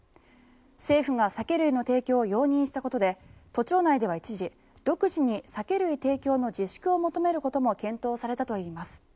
政府が酒類の提供を容認したことで都庁内では一時独自に酒類提供の自粛を求めることも検討されたといいます。